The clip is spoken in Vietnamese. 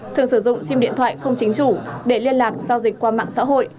thường sử dụng sim điện thoại không chính chủ để liên lạc giao dịch qua mạng xã hội